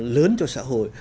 lớn cho xã hội